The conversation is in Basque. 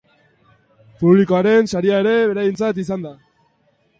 Publikoaren saria ere beraientzat izan da.